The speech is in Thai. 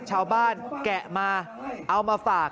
ชาวบ้านแกะมาเอามาฝาก